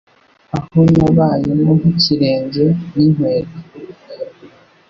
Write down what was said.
Aho nabayemo nk'ikirenge ni inkweto